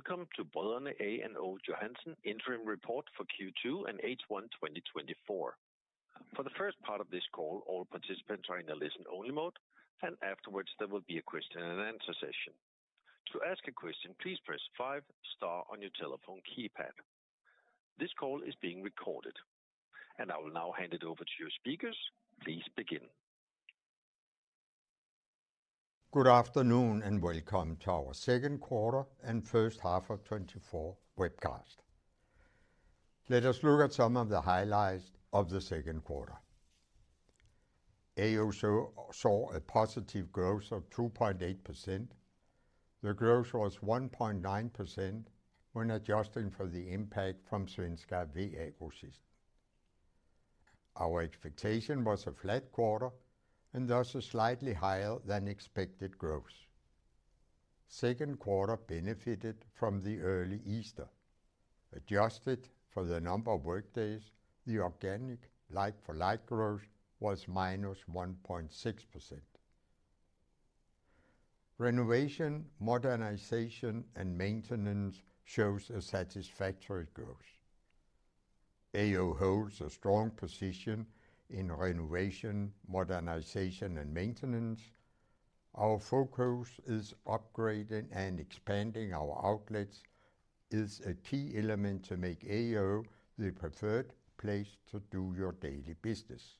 Welcome to Brødrene A & O Johansen interim report for Q2 and H1 2024. For the first part of this call, all participants are in a listen-only mode, and afterwards there will be a question and answer session. To ask a question, please press five star on your telephone keypad. This call is being recorded, and I will now hand it over to your speakers. Please begin. Good afternoon, and welcome to our second quarter and first half of 2024 webcast. Let us look at some of the highlights of the second quarter. AO saw a positive growth of 2.8%. The growth was 1.9% when adjusting for the impact from Svenska VA-Grossisten. Our expectation was a flat quarter and thus a slightly higher than expected growth. Second quarter benefited from the early Easter. Adjusted for the number of workdays, the organic like-for-like growth was -1.6%. Renovation, modernization, and maintenance shows a satisfactory growth. AO holds a strong position in renovation, modernization, and maintenance. Our focus is upgrading and expanding our outlets is a key element to make AO the preferred place to do your daily business.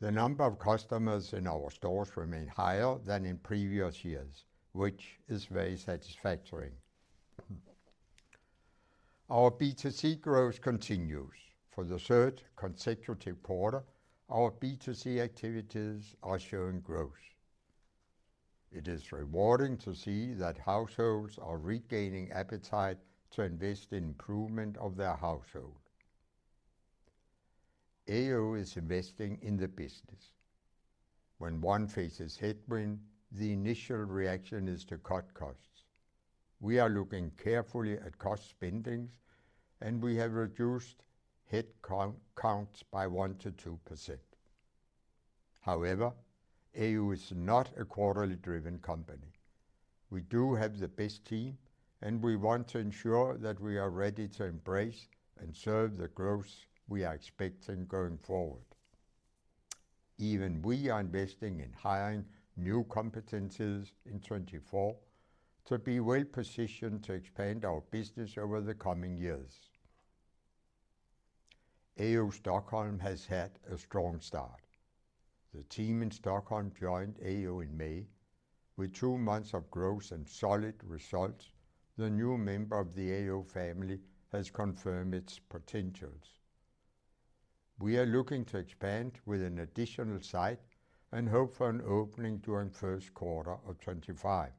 The number of customers in our stores remain higher than in previous years, which is very satisfactory. Our B2C growth continues. For the third consecutive quarter, our B2C activities are showing growth. It is rewarding to see that households are regaining appetite to invest in improvement of their household. AO is investing in the business. When one faces headwind, the initial reaction is to cut costs. We are looking carefully at cost spendings, and we have reduced headcount by 1%-2%. However, AO is not a quarterly-driven company. We do have the best team, and we want to ensure that we are ready to embrace and serve the growth we are expecting going forward. Even we are investing in hiring new competencies in 2024 to be well-positioned to expand our business over the coming years. AO Stockholm has had a strong start. The team in Stockholm joined AO in May. With two months of growth and solid results, the new member of the AO family has confirmed its potential. We are looking to expand with an additional site and hope for an opening during first quarter of 2025.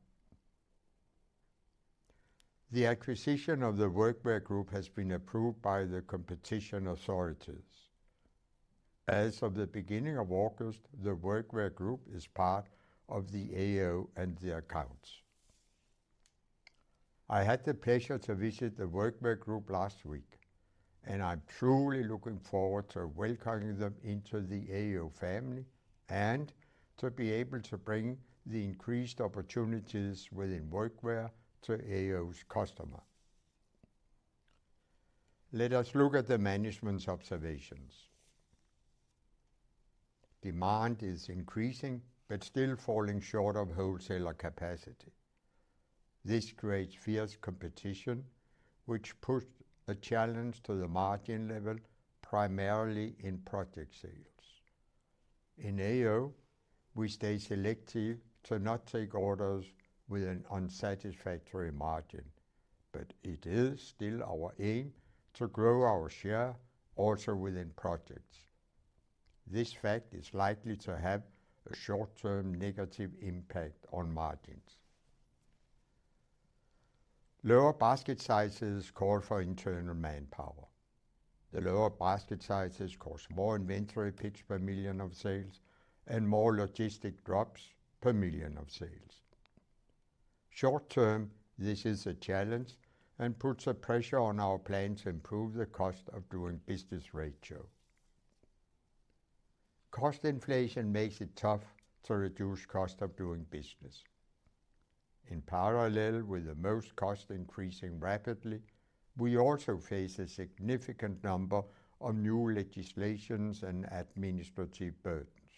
The acquisition of the Workwear Group has been approved by the competition authorities. As of the beginning of August, the Workwear Group is part of the AO and the accounts. I had the pleasure to visit the Workwear Group last week, and I'm truly looking forward to welcoming them into the AO family and to be able to bring the increased opportunities within workwear to AO's customers. Let us look at the management's observations. Demand is increasing but still falling short of wholesaler capacity. This creates fierce competition, which puts a challenge to the margin level, primarily in project sales. In AO, we stay selective to not take orders with an unsatisfactory margin, but it is still our aim to grow our share also within projects. This fact is likely to have a short-term negative impact on margins. Lower basket sizes call for internal manpower. The lower basket sizes cause more inventory picks per million of sales and more logistic drops per million of sales. Short term, this is a challenge and puts a pressure on our plan to improve the cost of doing business ratio. Cost inflation makes it tough to reduce cost of doing business. In parallel with the most cost increasing rapidly, we also face a significant number of new legislations and administrative burdens.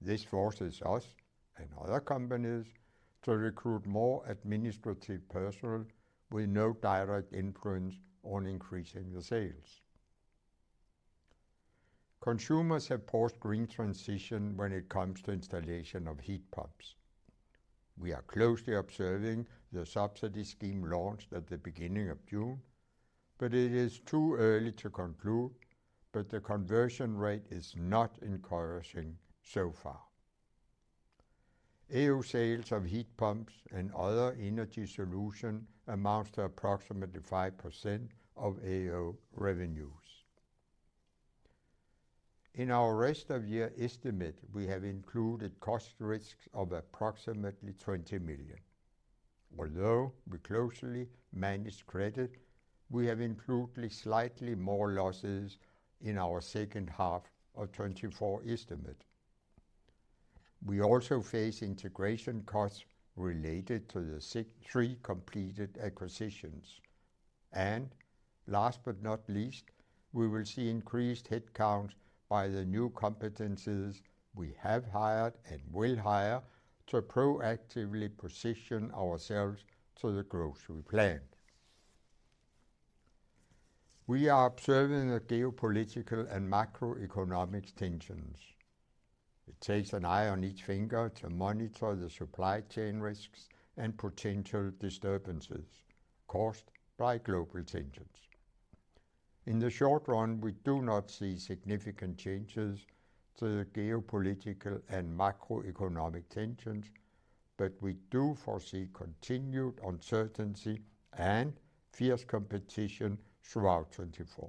This forces us and other companies to recruit more administrative personnel with no direct influence on increasing the sales. Consumers have paused green transition when it comes to installation of heat pumps. We are closely observing the subsidy scheme launched at the beginning of June, but it is too early to conclude, but the conversion rate is not encouraging so far. AO sales of heat pumps and other energy solution amounts to approximately 5% of AO revenues. In our rest of year estimate, we have included cost risks of approximately 20 million. Although we closely manage credit, we have included slightly more losses in our second half of 2024 estimate. We also face integration costs related to the three completed acquisitions. Last but not least, we will see increased headcount by the new competencies we have hired and will hire to proactively position ourselves to the growth we planned. We are observing the geopolitical and macroeconomic tensions. It takes an eye on each finger to monitor the supply chain risks and potential disturbances caused by global tensions. In the short run, we do not see significant changes to the geopolitical and macroeconomic tensions, but we do foresee continued uncertainty and fierce competition throughout 2024.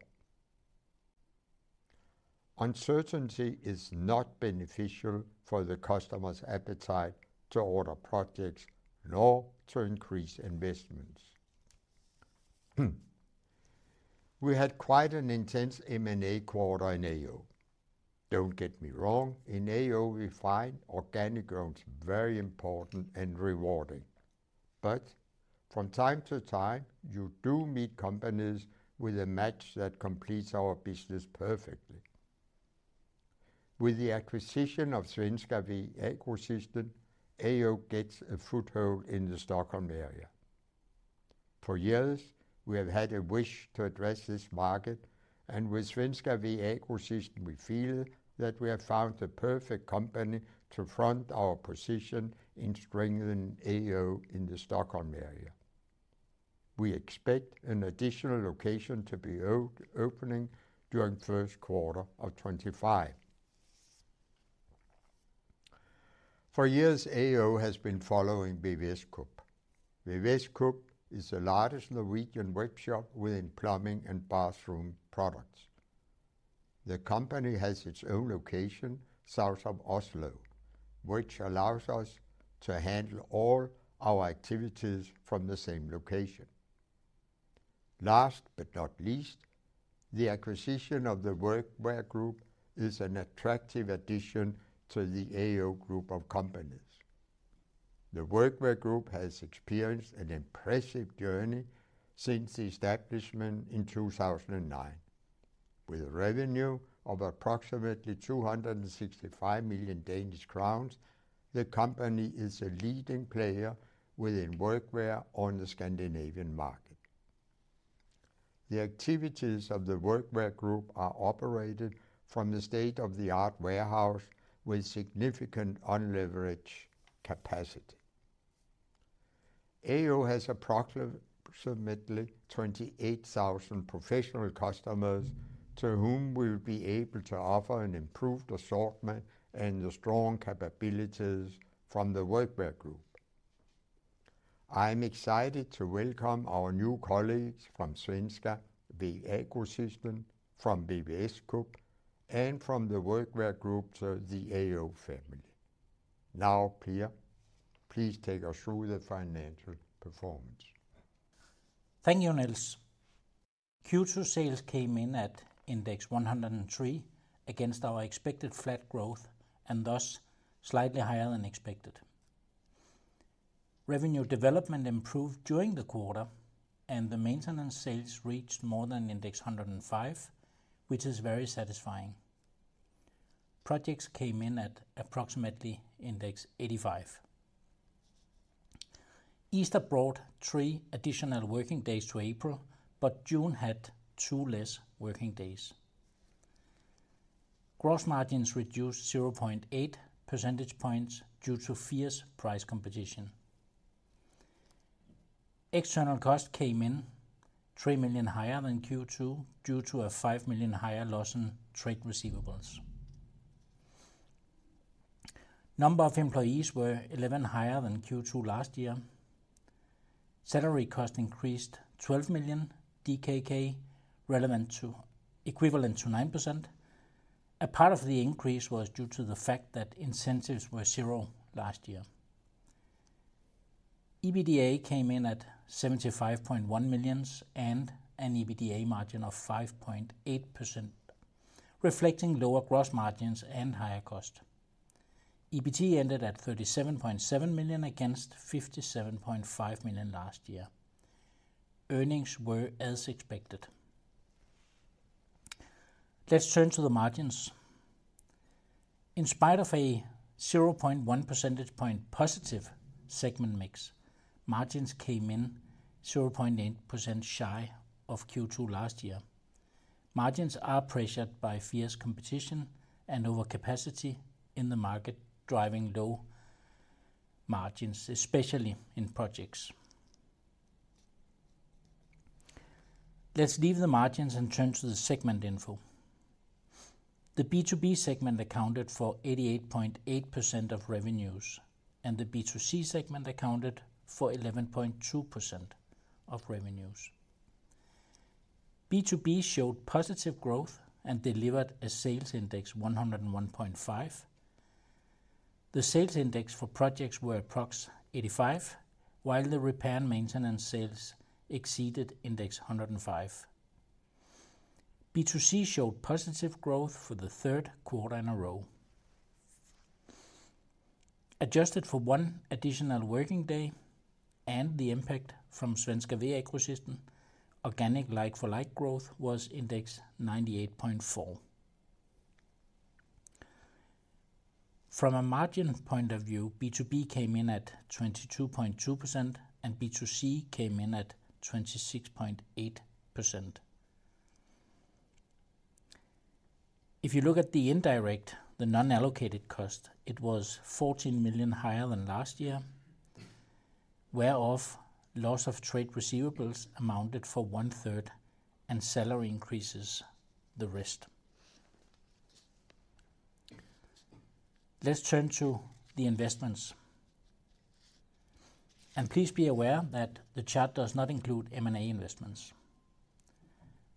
Uncertainty is not beneficial for the customers' appetite to order projects, nor to increase investments. We had quite an intense M&A quarter in AO. Don't get me wrong, in AO, we find organic growth very important and rewarding, but from time to time, you do meet companies with a match that completes our business perfectly. With the acquisition of Svenska VA-System, AO gets a foothold in the Stockholm area. For years, we have had a wish to address this market, and with Svenska VA-System, we feel that we have found the perfect company to front our position in strengthening AO in the Stockholm area. We expect an additional location to be opening during first quarter of 2025. For years, AO has been following VVSKupp. VVSKupp is the largest Norwegian webshop within plumbing and bathroom products. The company has its own location, south of Oslo, which allows us to handle all our activities from the same location. Last but not least, the acquisition of the Workwear Group is an attractive addition to the AO group of companies. The Workwear Group has experienced an impressive journey since the establishment in 2009. With revenue of approximately 265 million Danish crowns, the company is a leading player within workwear on the Scandinavian market. The activities of the Workwear Group are operated from the state-of-the-art warehouse with significant unleveraged capacity. AO has approximately 28,000 professional customers, to whom we'll be able to offer an improved assortment and the strong capabilities from the Workwear Group. I'm excited to welcome our new colleagues from Svenska VA-System, from VVSKupp, and from the Workwear Group to the AO family. Now, Per, please take us through the financial performance. Thank you, Niels. Q2 sales came in at index 103 against our expected flat growth, and thus slightly higher than expected. Revenue development improved during the quarter, and the maintenance sales reached more than index 105, which is very satisfying. Projects came in at approximately index 85. Easter brought three additional working days to April, but June had two less working days. Gross margins reduced 0.8 percentage points due to fierce price competition. External costs came in 3 million higher than Q2, due to a 5 million higher loss in trade receivables. Number of employees were 11 higher than Q2 last year. Salary cost increased 12 million DKK, relevant to-- equivalent to 9%. A part of the increase was due to the fact that incentives were zero last year. EBITDA came in at 75.1 million and an EBITDA margin of 5.8%, reflecting lower gross margins and higher cost. EBITDA ended at 37.7 million against 57.5 million last year. Earnings were as expected. Let's turn to the margins. In spite of a 0.1 percentage point positive segment mix, margins came in 0.8% shy of Q2 last year. Margins are pressured by fierce competition and overcapacity in the market, driving low margins, especially in projects. Let's leave the margins and turn to the segment info. The B2B segment accounted for 88.8% of revenues, and the B2C segment accounted for 11.2% of revenues. B2B showed positive growth and delivered a sales index 101.5. The sales index for projects were approx 85, while the repair and maintenance sales exceeded index 105. B2C showed positive growth for the third quarter in a row. Adjusted for one additional working day and the impact from Svenska VA Grossisten, organic like-for-like growth was index 98.4. From a margin point of view, B2B came in at 22.2% and B2C came in at 26.8%. If you look at the indirect, the non-allocated cost, it was 14 million higher than last year, whereof loss of trade receivables amounted for 1/3 and salary increases the rest. Let's turn to the investments. Please be aware that the chart does not include M&A investments.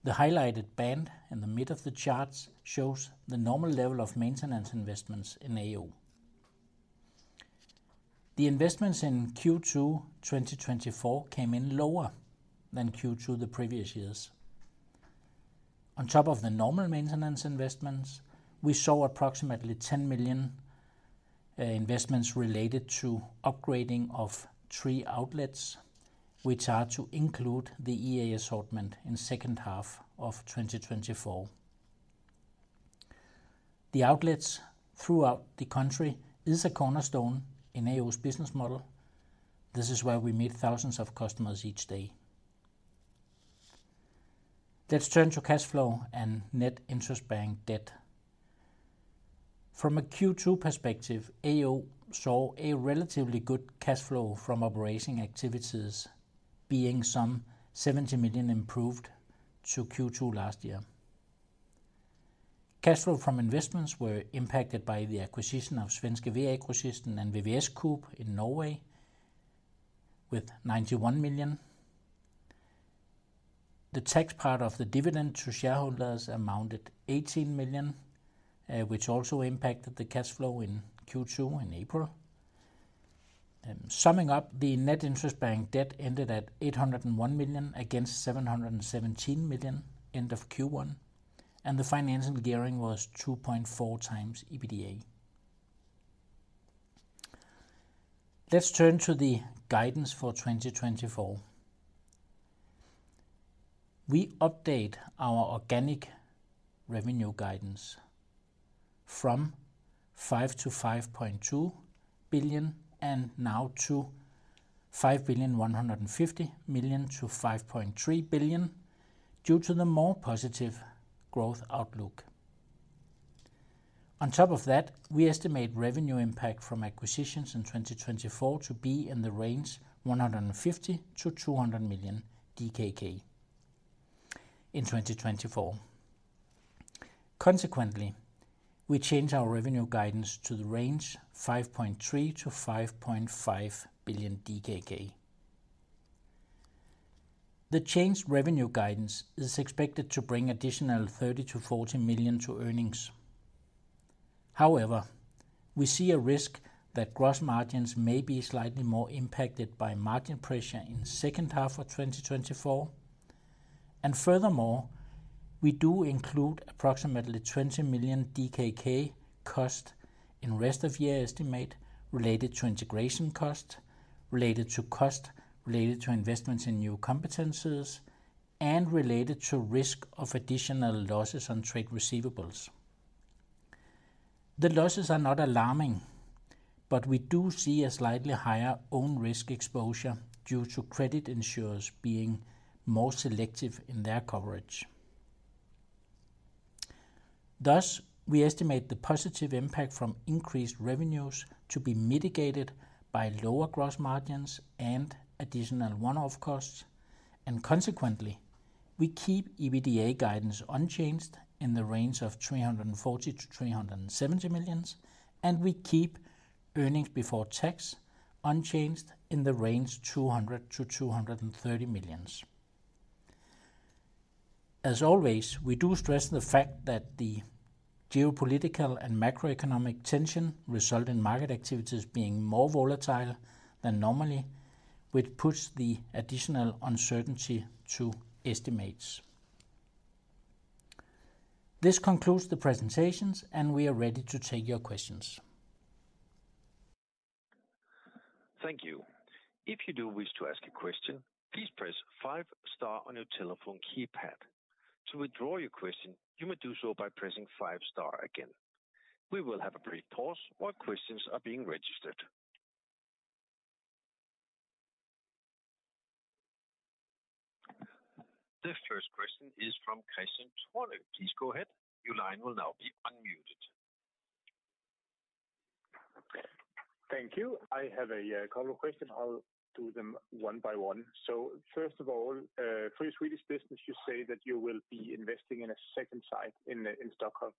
The highlighted band in the middle of the charts shows the normal level of maintenance investments in AO. The investments in Q2 2024 came in lower than Q2 the previous years. On top of the normal maintenance investments, we saw approximately 10 million investments related to upgrading of three outlets, which are to include the EA assortment in second half of 2024. The outlets throughout the country is a cornerstone in AO's business model. This is where we meet thousands of customers each day. Let's turn to cash flow and net interest-bearing debt. From a Q2 perspective, AO saw a relatively good cash flow from operating activities, being some 70 million improved to Q2 last year. Cash flow from investments were impacted by the acquisition of Svenska VA-Grossisten and VVSKupp.no in Norway with 91 million. The tax part of the dividend to shareholders amounted 18 million, which also impacted the cash flow in Q2 in April. Summing up, the net interest bearing debt ended at 801 million against 717 million end of Q1, and the financial gearing was 2.4× EBITDA. Let's turn to the guidance for 2024. We update our organic revenue guidance from 5 billion-5.2 billion and now to 5.15 billion-5.3 billion, due to the more positive growth outlook. On top of that, we estimate revenue impact from acquisitions in 2024 to be in the range 150 million-200 million DKK in 2024. Consequently, we change our revenue guidance to the range 5.3 billion-5.5 billion DKK. The changed revenue guidance is expected to bring additional 30 million-40 million to earnings. However, we see a risk that gross margins may be slightly more impacted by margin pressure in second half of 2024. Furthermore, we do include approximately 20 million DKK cost in rest of year estimate related to integration cost, related to cost related to investments in new competencies, and related to risk of additional losses on trade receivables. The losses are not alarming, but we do see a slightly higher own risk exposure due to credit insurers being more selective in their coverage. Thus, we estimate the positive impact from increased revenues to be mitigated by lower gross margins and additional one-off costs, and consequently, we keep EBITDA guidance unchanged in the range of 340-370 million, and we keep earnings before tax unchanged in the range 200-230 million. As always, we do stress the fact that the geopolitical and macroeconomic tension result in market activities being more volatile than normally, which puts the additional uncertainty to estimates. This concludes the presentations, and we are ready to take your questions. Thank you. If you do wish to ask a question, please press five star on your telephone keypad. To withdraw your question, you may do so by pressing five star again. We will have a brief pause while questions are being registered. The first question is from Christian Treldal. Please go ahead. Your line will now be unmuted. Thank you. I have a couple of questions. I'll do them one by one. So first of all, for your Swedish business, you say that you will be investing in a second site in, in Stockholm.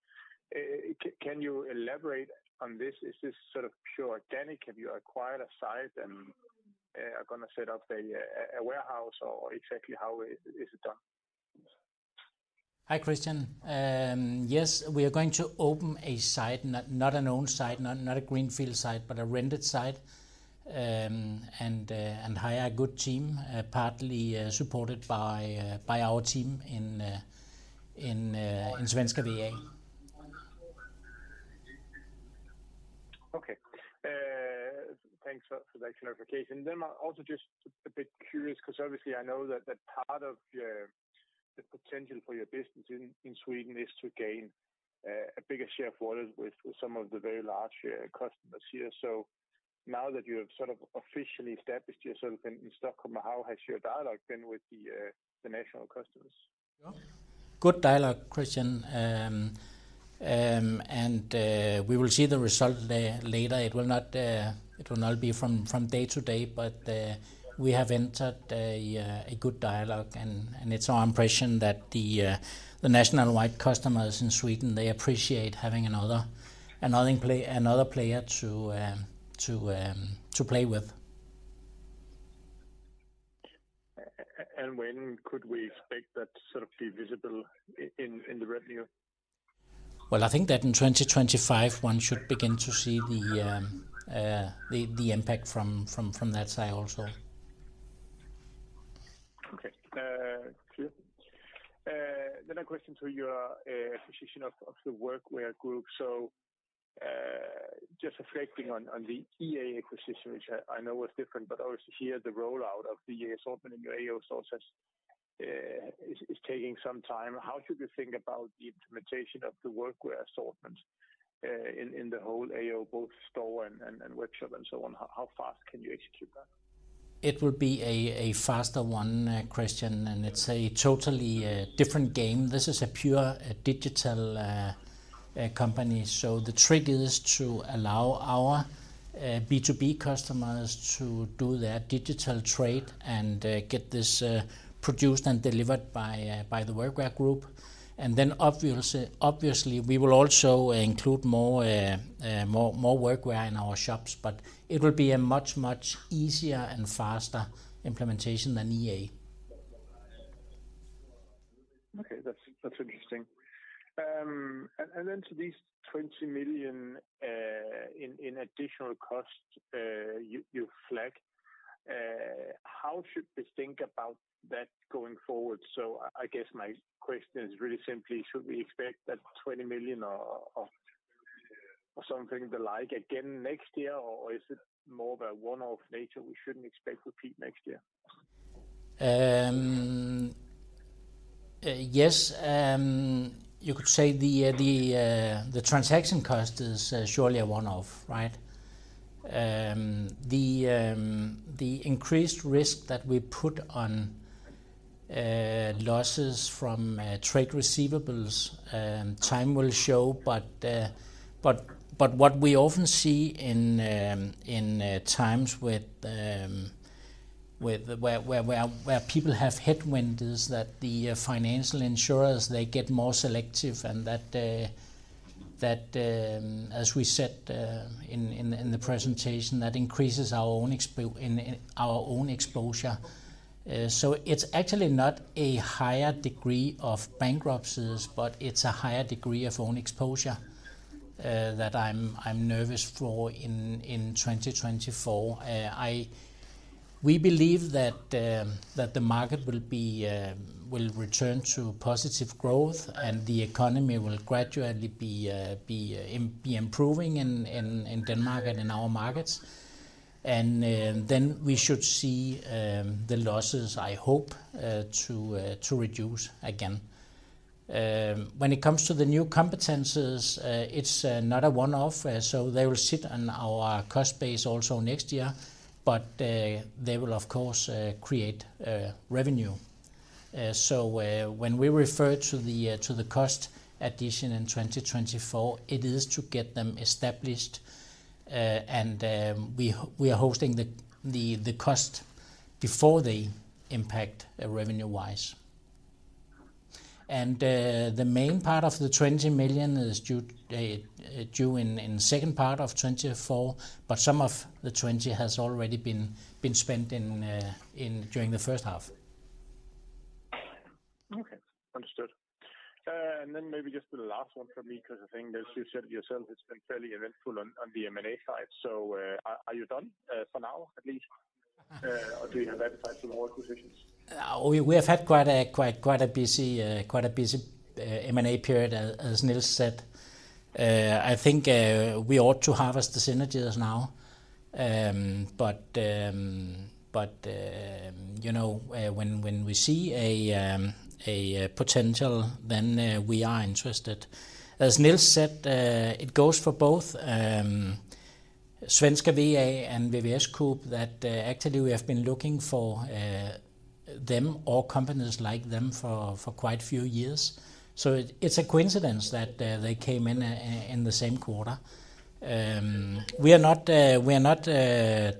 Can you elaborate on this? Is this sort of pure organic? Have you acquired a site and are gonna set up a warehouse, or exactly how is it done? Hi, Christian. Yes, we are going to open a site, not an owned site, not a greenfield site, but a rented site and hire a good team, partly supported by our team in Svenska VA. Okay. Thanks for, for that clarification. Then I'm also just a bit curious, 'cause obviously I know that, that part of your, the potential for your business in, in Sweden is to gain a bigger share of wallets with, with some of the very large customers here. So now that you have sort of officially established yourself in, in Stockholm, how has your dialogue been with the, the national customers? Good dialogue, Christian. We will see the result there later. It will not be from day to day, but we have entered a good dialogue, and it's our impression that the nationwide customers in Sweden appreciate having another player to play with. When could we expect that sort of be visible in the revenue? Well, I think that in 2025, one should begin to see the impact from that side also. Okay. Clear. Then a question to your acquisition of the Workwear Group. So, just reflecting on the EA acquisition, which I know was different, but obviously here, the rollout of the EA opening, your AO stores, is taking some time. How should we think about the implementation of the Workwear assortment, in the whole AO, both store and webshop and so on? How fast can you execute that? It will be a faster one, Christian, and it's a totally different game. This is a pure digital company, so the trick is to allow our B2B customers to do their digital trade and get this produced and delivered by the Workwear Group. Then obviously, we will also include more workwear in our shops, but it will be a much much easier and faster implementation than EA. Okay, that's interesting. Then to these 20 million in additional costs, you flag, how should we think about that going forward? So, I guess my question is really simply, should we expect that 20 million or something the like again next year, or is it more of a one-off nature we shouldn't expect to repeat next year? Yes, you could say the transaction cost is surely a one-off, right? The increased risk that we put on losses from trade receivables, time will show. But what we often see in times where people have headwinds is that the financial insurers, they get more selective and that, as we said, in the presentation, that increases our own exposure. So it's actually not a higher degree of bankruptcies, but it's a higher degree of own exposure that I'm nervous for in 2024. We believe that the market will return to positive growth, and the economy will gradually be improving in Denmark and in our markets. Then we should see the losses, I hope, to reduce again. When it comes to the new competencies, it's another one-off, so they will sit on our cost base also next year, but they will of course create revenue. So when we refer to the cost addition in 2024, it is to get them established, and we are hosting the cost before they impact revenue-wise. The main part of the 20 million is due in the second part of 2024, but some of the 20 has already been spent in during the first half. Okay, understood. Then maybe just the last one from me, 'cause I think, as you said yourself, it's been fairly eventful on the M&A side. So, are you done for now, at least or do you have appetite for more acquisitions? We have had quite a busy M&A period, as Niels said. I think we ought to harvest the synergies now, but you know, when we see a potential, then we are interested. As Niels said, it goes for both Svenska VA and VVSKupp, that actually, we have been looking for them or companies like them for quite a few years. So it's a coincidence that they came in the same quarter. We are not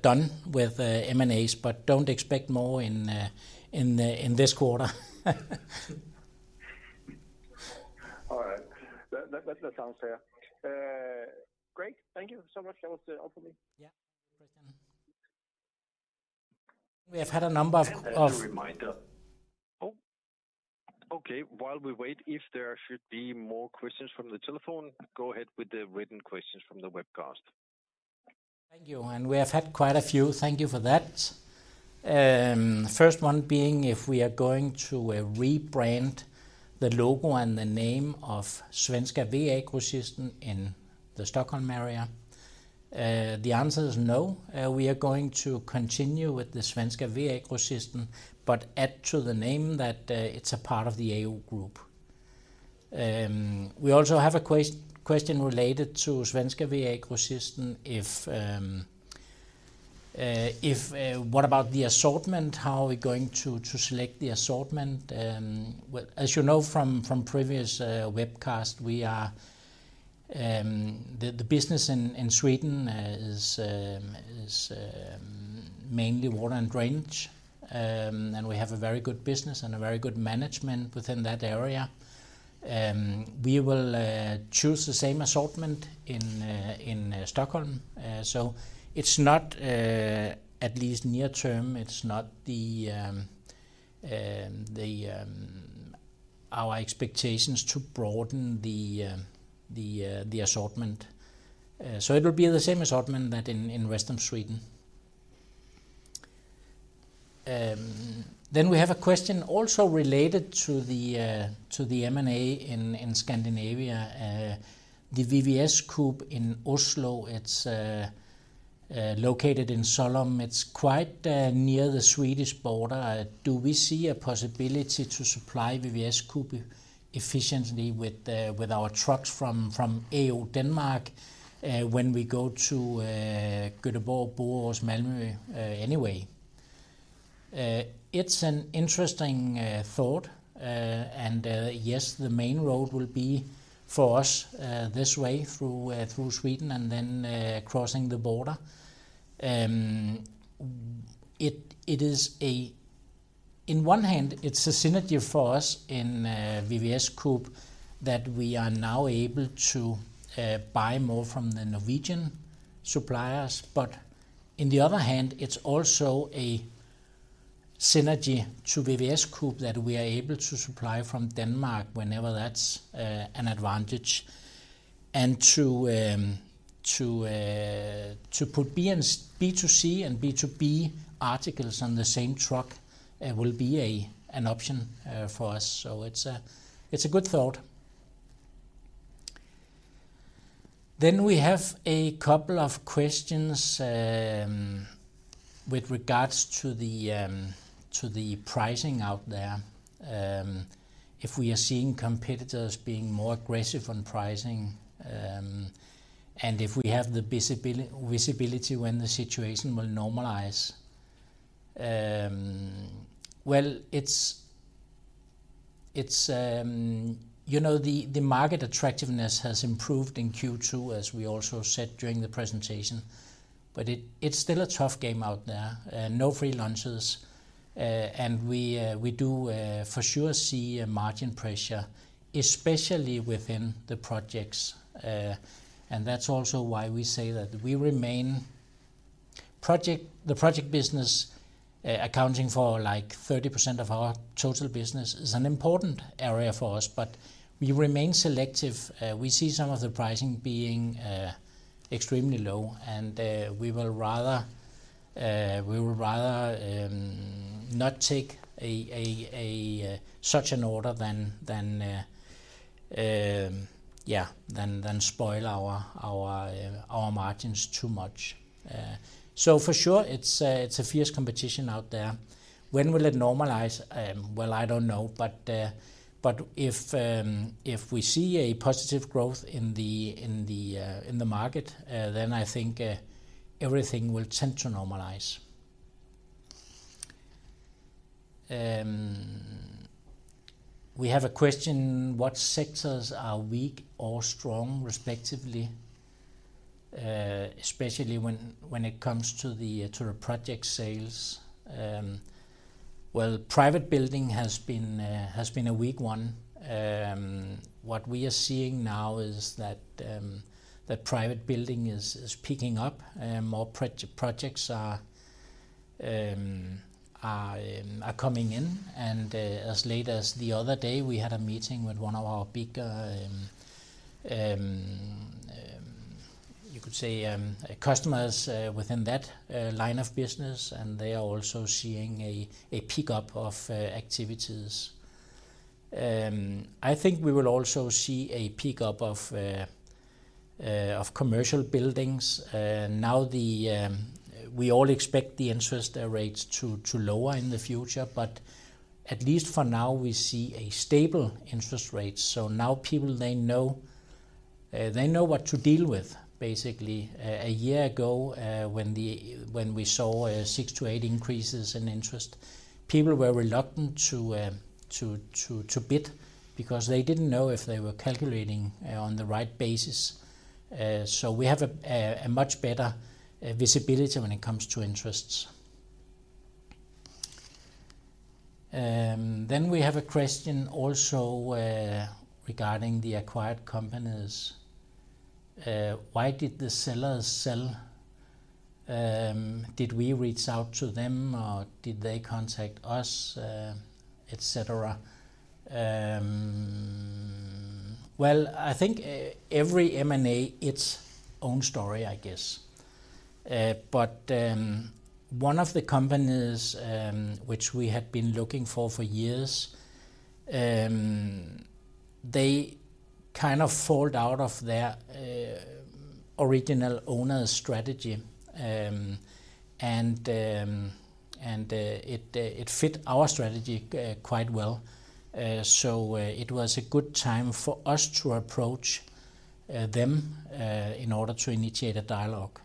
done with M&As, but don't expect more in this quarter. All right. That, that sounds fair. Great. Thank you so much. That was all for me. Yeah. Christian. We have had a number of, of- As a reminder. Oh, okay, while we wait, if there should be more questions from the telephone, go ahead with the written questions from the webcast. Thank you, and we have had quite a few. Thank you for that. First one being, if we are going to rebrand the logo and the name of Svenska VA-System in the Stockholm area? The answer is no. We are going to continue with the Svenska VA-System, but add to the name that it's a part of the AO group. We also have a question related to Svenska VA-System. What about the assortment? How are we going to select the assortment? Well, as you know from previous webcast, the business in Sweden is mainly water and drainage and we have a very good business and a very good management within that area. We will choose the same assortment in Stockholm. So it's not at least near term, it's not our expectations to broaden the assortment. So it will be the same assortment that in western Sweden. Then we have a question also related to the M&A in Scandinavia. The VVSKupp in Oslo, it's located in Grålum. It's quite near the Swedish border. Do we see a possibility to supply VVSKupp efficiently with our trucks from AO Denmark, when we go to Göteborg, Borås, Malmö, anyway? It's an interesting thought. Yes, the main road will be for us this way through Sweden and then crossing the border. It is, on one hand, a synergy for us in VVSKupp, that we are now able to buy more from the Norwegian suppliers., but on the other hand, it's also a synergy to VVSKupp, that we are able to supply from Denmark whenever that's an advantage and to put B2C and B2B articles on the same truck will be an option for us. So it's a good thought. Then we have a couple of questions with regards to the pricing out there. If we are seeing competitors being more aggressive on pricing, and if we have the visibility when the situation will normalize. Well, you know, the market attractiveness has improved in Q2, as we also said during the presentation, but it's still a tough game out there, no free lunches and we for sure see a margin pressure, especially within the projects and that's also why we say that we remain. The project business, accounting for, like, 30% of our total business, is an important area for us, but we remain selective. We see some of the pricing being extremely low, and we would rather not take such an order than spoil our margins too much. So for sure, it's a fierce competition out there. When will it normalize? Well, I don't know, but if we see a positive growth in the market, then I think everything will tend to normalize. We have a question: What sectors are weak or strong, respectively, especially when it comes to the project sales? Well, private building has been a weak one. What we are seeing now is that private building is picking up, more projects are coming in and, as late as the other day, we had a meeting with one of our big, you could say, customers within that line of business, and they are also seeing a pickup of activities. I think we will also see a pickup of commercial buildings. Now, we all expect the interest rates to lower in the future, but at least for now, we see a stable interest rate. So now people, they know, they know what to deal with, basically. A year ago, when we saw 6-8 increases in interest, people were reluctant to bid because they didn't know if they were calculating on the right basis. So we have a much better visibility when it comes to interests. Then we have a question also regarding the acquired companies. Why did the sellers sell? Did we reach out to them or did they contact us, et cetera? Well, I think every M&A, its own story, I guess, but one of the companies which we had been looking for for years, they kind of fell out of their original owner's strategy and it fit our strategy quite well. So it was a good time for us to approach them in order to initiate a dialogue.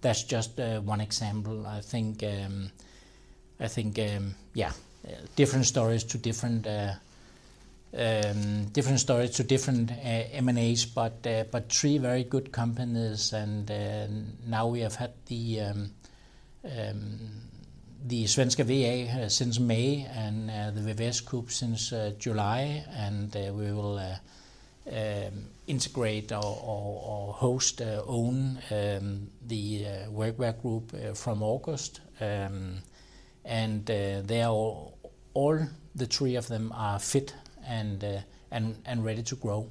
That's just one example. I think yeah, different stories to different M&As, but three very good companies and now we have had the Svenska VA since May and the VVSKupp since July, and we will integrate or wholly own the Workwear Group from August. They are all, all the three of them are fit and, and ready to grow.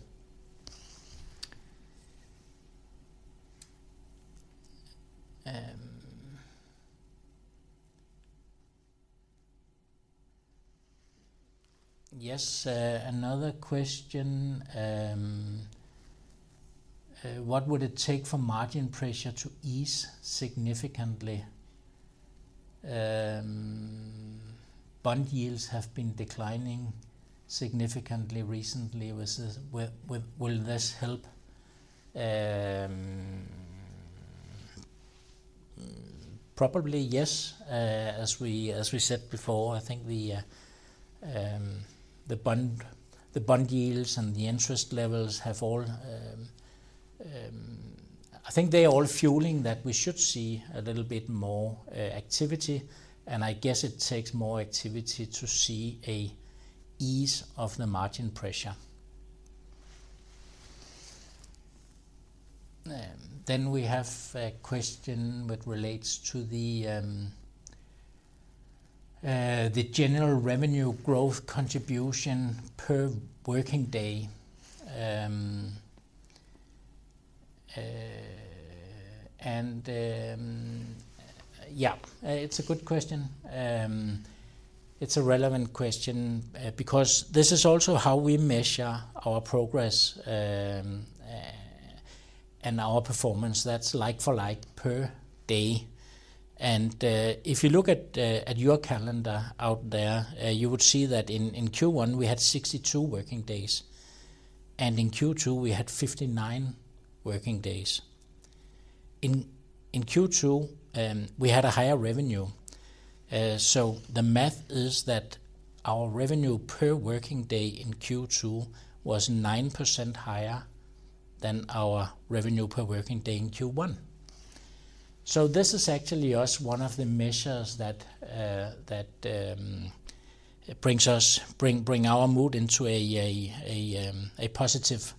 Yes, another question. What would it take for margin pressure to ease significantly? Bond yields have been declining significantly recently. Was this... Will this help? Probably, yes. As we said before, I think the bond yields and the interest levels have all... I think they are all fueling that we should see a little bit more activity, and I guess it takes more activity to see a ease of the margin pressure. Then we have a question that relates to the general revenue growth contribution per working day, and yeah, it's a good question. It's a relevant question, because this is also how we measure our progress and our performance. That's like-for-like per day. If you look at your calendar out there, you would see that in Q1 we had 62 working days, and in Q2 we had 59 working days. In Q2, we had a higher revenue, so the math is that our revenue per working day in Q2 was 9% higher than our revenue per working day in Q1. So this is actually also one of the measures that brings our mood into a positive.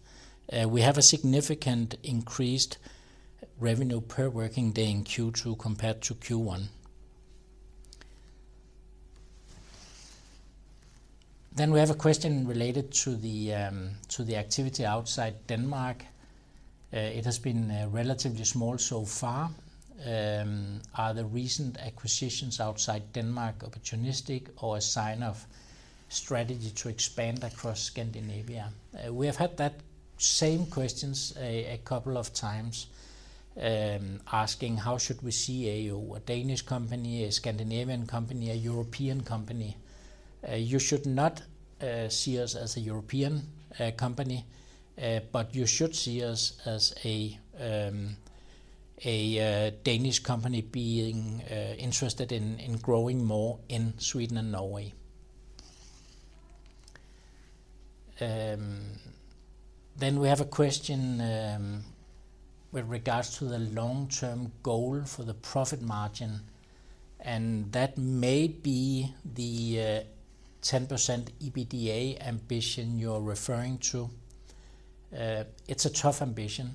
We have a significant increased revenue per working day in Q2 compared to Q1. We have a question related to the activity outside Denmark. It has been relatively small so far. Are the recent acquisitions outside Denmark opportunistic or a sign of strategy to expand across Scandinavia? We have had that same questions a couple of times, asking, "How should we see AO? A Danish company, a Scandinavian company, a European company?" You should not see us as a European company, but you should see us as a Danish company being interested in growing more in Sweden and Norway. Then we have a question with regards to the long-term goal for the profit margin, and that may be the 10% EBITDA ambition you're referring to. It's a tough ambition.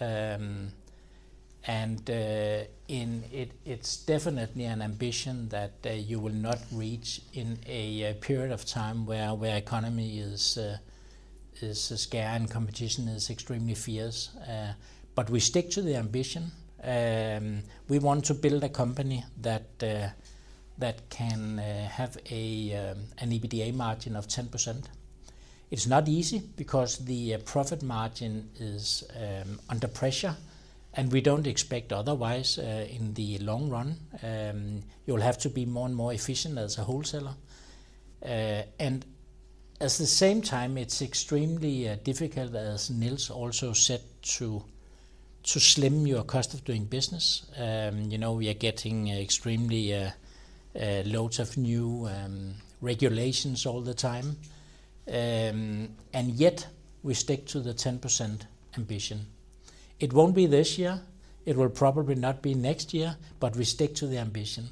It's definitely an ambition that you will not reach in a period of time where our economy is scarce and competition is extremely fierce. But we stick to the ambition. We want to build a company that can have an EBITDA margin of 10%. It's not easy because the profit margin is under pressure, and we don't expect otherwise. In the long run, you'll have to be more and more efficient as a wholesaler, and at the same time, it's extremely difficult, as Niels also said, to slim your cost of doing business. You know, we are getting extremely loads of new regulations all the time, and yet we stick to the 10% ambition. It won't be this year, it will probably not be next year, but we stick to the ambition.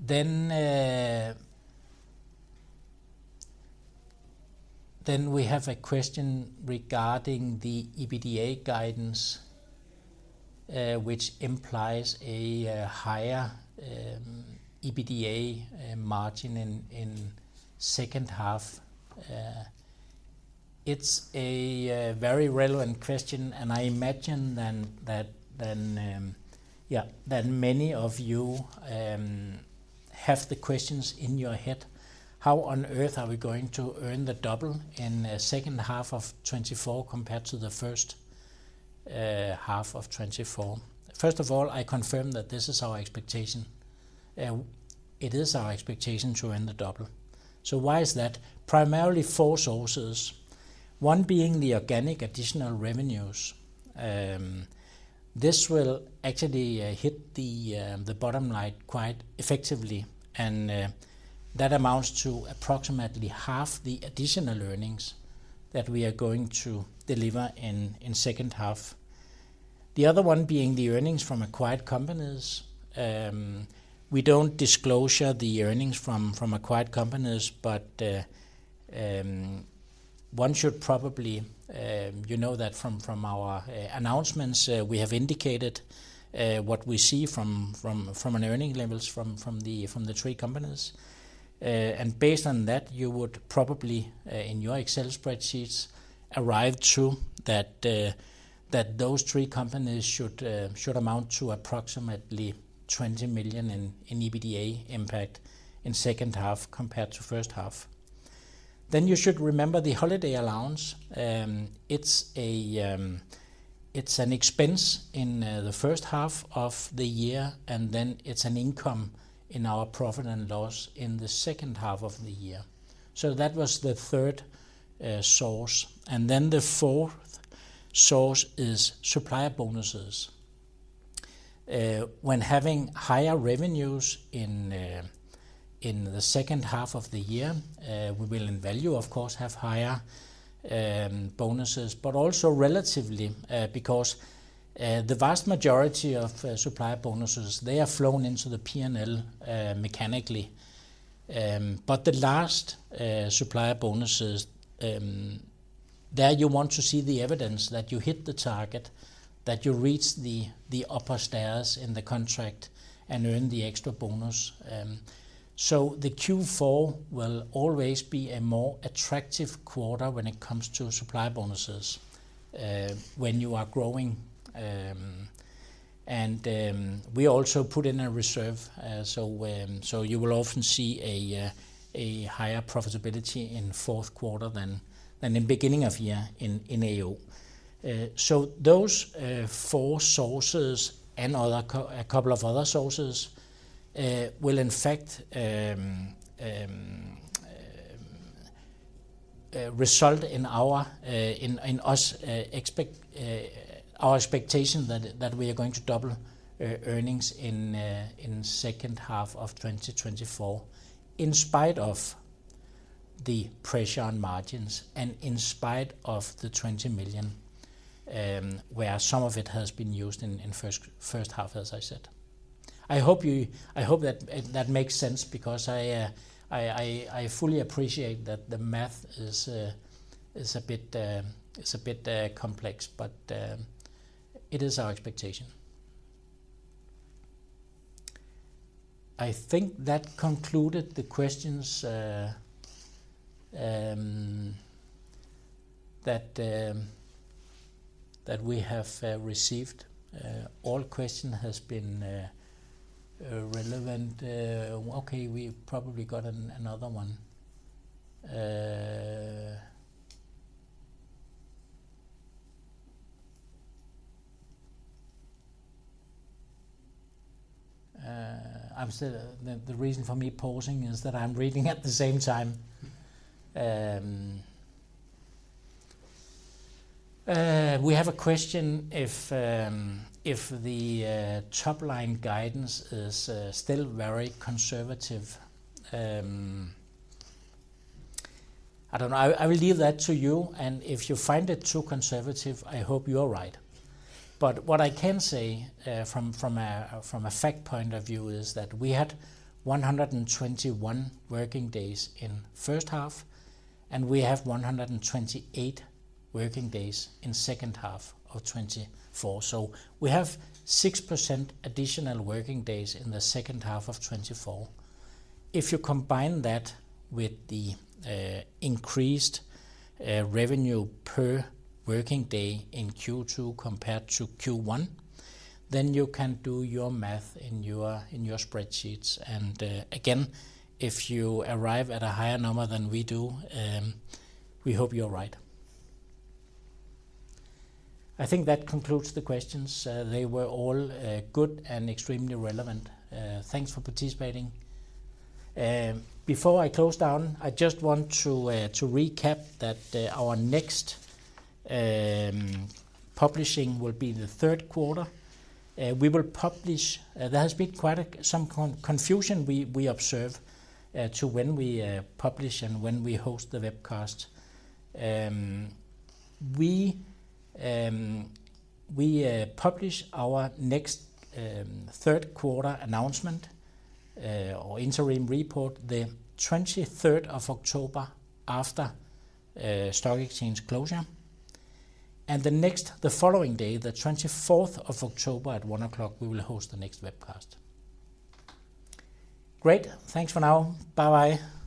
Then we have a question regarding the EBITDA guidance, which implies a higher EBITDA margin in second half. It's a very relevant question, and I imagine then that then, yeah, that many of you have the questions in your head, how on earth are we going to earn the double in the second half of 2024 compared to the first half of 2024? First of all, I confirm that this is our expectation. It is our expectation to earn the double. So why is that? Primarily four sources, one being the organic additional revenues. This will actually hit the bottom line quite effectively, and that amounts to approximately half the additional earnings that we are going to deliver in second half. The other one being the earnings from acquired companies. We don't disclose the earnings from acquired companies, but one should probably... You know that from our announcements, we have indicated what we see from an earnings levels from the three companies and based on that, you would probably in your Excel spreadsheets arrive to that those three companies should amount to approximately 20 million in EBITDA impact in second half compared to first half. Then you should remember the holiday allowance. It's a, it's an expense in the first half of the year, and then it's an income in our profit and loss in the second half of the year. So that was the third source. Then the fourth source is supplier bonuses. When having higher revenues in the second half of the year, we will in value, of course, have higher bonuses, but also relatively, because the vast majority of supplier bonuses, they are flown into the PNL, mechanically. But the last supplier bonuses, there you want to see the evidence that you hit the target, that you reached the upper stairs in the contract and earn the extra bonus. So the Q4 will always be a more attractive quarter when it comes to supplier bonuses, when you are growing. We also put in a reserve, so you will often see a higher profitability in fourth quarter than in beginning of year in AO. So those four sources and a couple of other sources will in fact result in our expectation that we are going to double earnings in second half of 2024, in spite of the pressure on margins and in spite of the 20 million, where some of it has been used in first half, as I said. I hope that that makes sense, because I fully appreciate that the math is a bit complex, but it is our expectation. I think that concluded the questions that we have received. All question has been relevant. Okay, we probably got another one. Obviously, the reason for me pausing is that I'm reading at the same time. We have a question if the top-line guidance is still very conservative. I don't know. I will leave that to you, and if you find it too conservative, I hope you are right. But what I can say from a fact point of view is that we had 121 working days in first half, and we have 128 working days in second half of 2024. So we have 6% additional working days in the second half of 2024. If you combine that with the increased revenue per working day in Q2 compared to Q1, then you can do your math in your spreadsheets. Again, if you arrive at a higher number than we do, we hope you're right. I think that concludes the questions. They were all good and extremely relevant. Thanks for participating. Before I close down, I just want to recap that our next publishing will be the third quarter. We will publish... There has been quite some confusion we observe to when we publish and when we host the webcast. We publish our next third quarter announcement or interim report, the 23rd of October after stock exchange closure. The following day, the 24th of October at 1:00, we will host the next webcast. Great! Thanks for now. Bye-bye.